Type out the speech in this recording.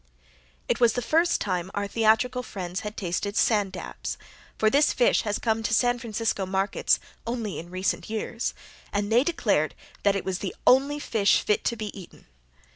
It was the first time our theatrical friends had tasted sand dabs, for this fish has come to San Francisco markets only in recent years, and they declared that it was the "only" fish fit to be eaten.